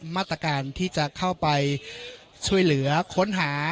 มาตรการที่จะเข้าไปช่วยเหลือค้นหา